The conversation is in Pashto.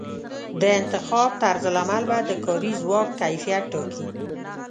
د انتخاب طرزالعمل به د کاري ځواک کیفیت ټاکي.